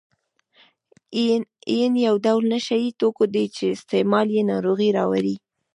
اپین یو ډول نشه یي توکي دي استعمال یې ناروغۍ راوړي.